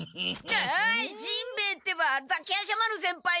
あしんべヱってば滝夜叉丸先輩に。